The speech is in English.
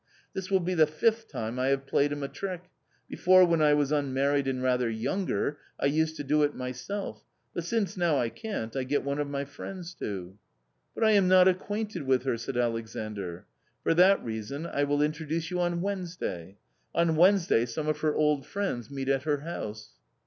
This will be the fifth time I have played him a trick ; before, when I was un married and rather younger, I used to do it myself, but since now I can't, I get one of my friends to." " But I am not acquainted with her," said Alexandr. "For that reason I will introduce you on Wednesday. On Wednesday some of her old friends meet at her house."